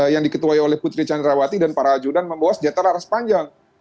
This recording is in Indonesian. yang diketuai oleh putri candrawati dan para ajudan membawa setiap jadwal aras panjang